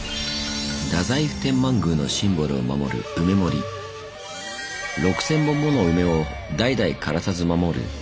太宰府天満宮のシンボルを守る６，０００本もの梅を代々枯らさず守る